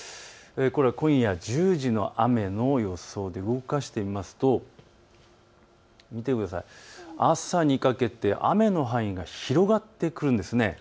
今夜１０時の雨の予想で動かしてみますと朝にかけて雨の範囲が広がってくるんです。